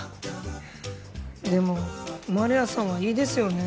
でも丸谷さんはいいですよね。